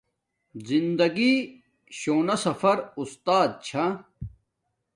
زندگی شونا سفر اُستات چھا